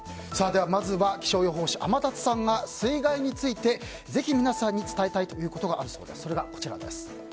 まずは気象予報士の天達さんが水害についてぜひ皆さんに伝えたいということがあるそうです。